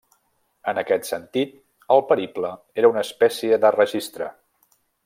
En aquest sentit, el periple era una espècie de registre.